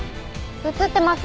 映ってます。